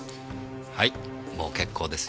はいもう結構ですよ。